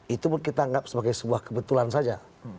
itu pun kita anggap sebagai sebuah kebetulan saja